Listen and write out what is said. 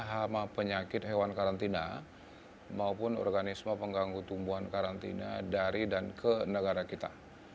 hama penyakit hewan karantina maupun organisme pengganggu tumbuhan karantina dari dan ke negara kita